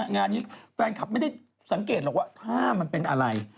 งานนี้แฟนคลับไม่ได้สังเกตหรอกว่าถ้ามันเป็นอะไร